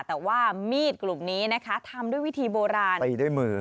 แต่ว่ามีดกลุ่มนี้นะคะทำด้วยวิธีโบราณตีด้วยมือ